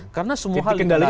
karena semua hal itu dikendalikan